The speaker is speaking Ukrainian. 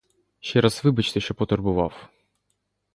Ще раз вибачте, що потурбував.